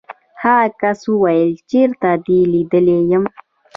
هغه کس وویل چېرته دې لیدلی یم.